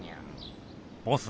ボス